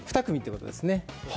２組ってことですね。